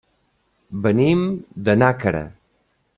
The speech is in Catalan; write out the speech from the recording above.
Venim de Nàquera.